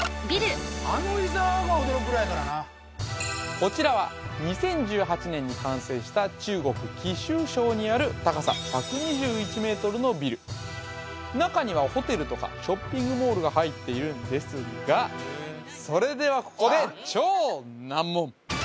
こちらは２０１８年に完成した中国貴州省にある高さ１２１ｍのビル中にはホテルとかショッピングモールが入っているんですがそれではここで超難問